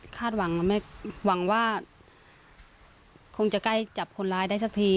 หวังนะแม่หวังว่าคงจะใกล้จับคนร้ายได้สักที